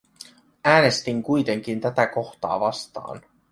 Äänestin kuitenkin tätä kohtaa vastaan.